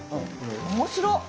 面白っ！